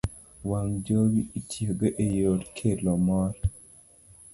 wang' jowi itiyogo e yor kelo mor.